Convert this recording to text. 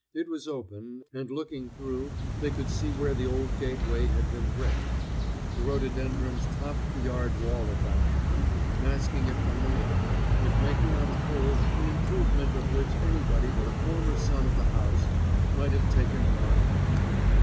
It was open, and looking through they could see where the old gateway had been bricked. The rhododendrons topped the yard wall at that point, masking it from the lawn, and making on the whole an improvement of which anybody but a former son of the house might have taken more account.